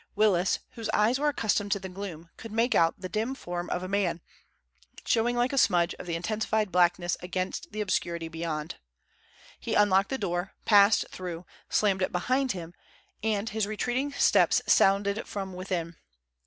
Willis, whose eyes were accustomed to the gloom, could make out the dim form of a man, showing like a smudge of intensified blackness against the obscurity beyond. He unlocked the door, passed through, slammed it behind him, and his retreating steps sounded from within.